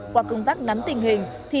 qua công tác nắm tình hình